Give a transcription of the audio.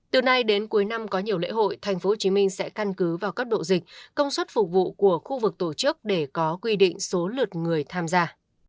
từ nay đến cuối năm có nhiều lễ hội tp hcm sẽ căn cứ vào các độ dịch công suất phục vụ của khu vực tổ chức để có quy định số lượt người tham gia